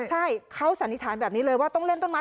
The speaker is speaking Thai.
ใช่เขาสันนิษฐานแบบนี้เลยว่าต้องเล่นต้นไม้